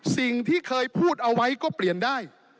สิ่งที่เคยพูดเอาไว้ก็เปลี่ยนได้